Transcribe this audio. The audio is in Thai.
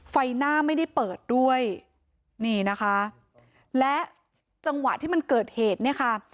ไฟหน้าไม่ได้เปิดด้วยนี่นะคะและจังหวะที่มันเกิดเหตุเนี่ยค่ะ